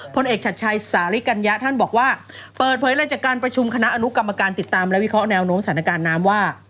พลเอกชัดชัยสาริกัญญะท่านบอกว่าเปิดเผยอะไรจากการประชุมคณะอนุกรรมการติดตามและวิเคราะห์แนวโน้มสถานการณ์น้ำว่า